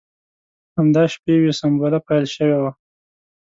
همدا شپې وې سنبله پیل شوې وه.